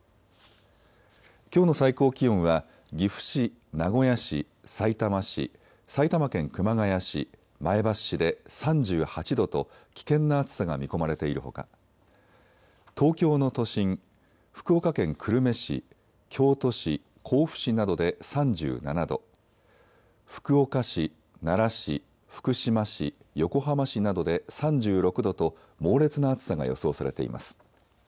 きょうの最高気温は岐阜市、名古屋市、さいたま市、埼玉県熊谷市、前橋市で３８度と危険な暑さが見込まれているほか東京の都心、福岡県久留米市、京都市、甲府市などで３７度、福岡市、奈良市、福島市、横浜市などで３６度と猛烈な暑さが予想されています。